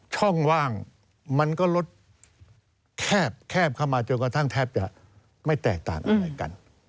ช่องว่างมันก็ลดแคบเข้ามาจนกระทั่งแทบจะไม่แตกต่างอะไรกัน